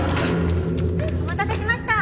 お待たせしました。